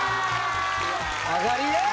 上がりです！